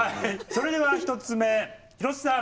それでは１つ目広瀬さん